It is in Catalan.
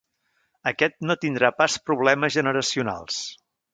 Aquest no tindrà pas problemes generacionals.